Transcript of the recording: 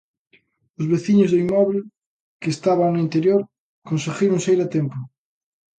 Os veciños do inmoble, que estaban no interior, conseguiron saír a tempo.